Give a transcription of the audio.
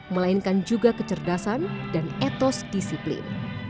melainkan juga kecerdasan dan etos disiplin